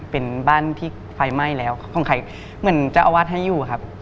เป็นบ้านที่ไฟไหม้แล้วของใครเหมือนเจ้าอาวาสให้อยู่ครับ